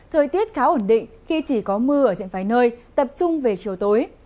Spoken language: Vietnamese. thời tiết khá ổn định khi chỉ có mưa ở diện vài nơi tập trung về chiều tối